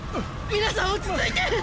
皆さん落ち着いて！